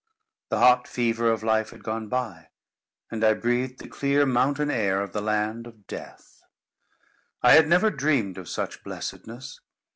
The hot fever of life had gone by, and I breathed the clear mountain air of the land of Death. I had never dreamed of such blessedness.